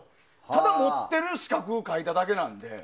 ただ持っている資格を書いただけなので。